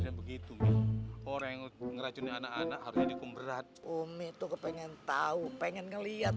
dengan wuih orang yang ngeracun anak anak harus dikumrat umit tuh ke pengen tahu pengen ngelihat